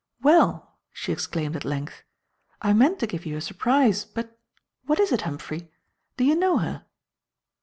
"Well!" she exclaimed, at length, "I meant to give you a surprise, but what is it, Humphrey? Do you know her?"